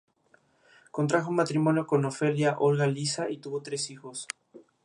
Contrajo matrimonio con Ofelia Olga Lisa y tuvo tres hijos.